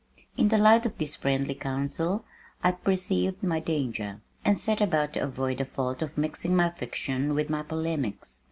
In the light of this friendly council I perceived my danger, and set about to avoid the fault of mixing my fiction with my polemics.